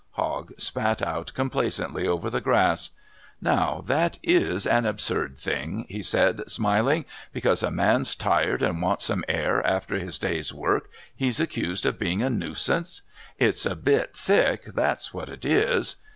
Hogg spat out complacently over the grass. "Now, that is an absurd thing," he said, smiling. "Because a man's tired and wants some air after his day's work he's accused of being a nuisance. It's a bit thick, that's what it is.